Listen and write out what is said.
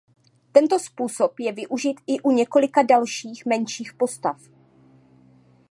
Tento způsob je využit i u několika dalších menších postav.